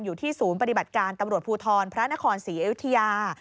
อยู่ที่ศูนย์ปฏิบัติการตำรวจภูทรพระนครศรีอยุธยา